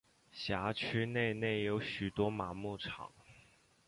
辖区内内有许多马牧场。